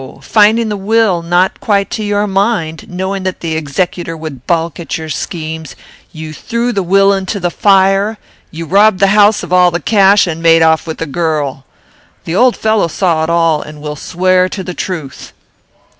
finding the will not quite to your mind, knowing that the executor would balk your schemes, you threw the will into the fire; you robbed the house of all the cash, and made off with the girl! The old fellow saw it all, and will swear to the truth."